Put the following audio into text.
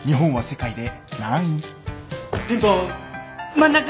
真ん中！